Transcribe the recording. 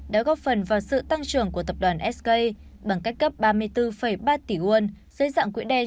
đã góp phần vào sự tăng trưởng của tập đoàn sk bằng cách cấp ba mươi bốn ba tỷ won dưới dạng quỹ đen